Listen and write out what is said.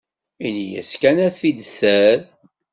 Ini-as kan ad t-id-terr.